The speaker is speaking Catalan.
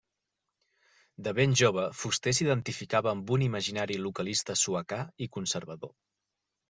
De ben jove, Fuster s'identificava amb un imaginari localista suecà i conservador.